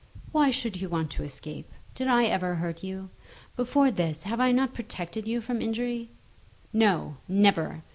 "Why should you want to escape? Did I ever hurt you? Before this have I not protected you from injury?" "No; never.